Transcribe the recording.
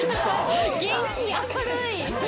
元気、明るい。